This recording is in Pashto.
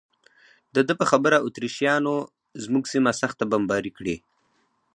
د ده په خبره اتریشیانو زموږ سیمه سخته بمباري کړې.